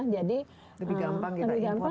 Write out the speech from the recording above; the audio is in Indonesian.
jadi lebih gampang kita impor